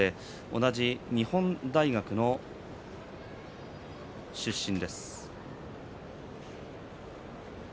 同じ日本大学の出身です。